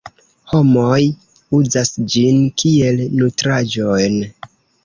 Homoj uzas ĝin kiel nutraĵon.